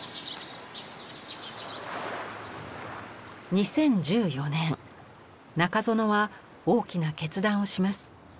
２０１４年中園は大きな決断をします。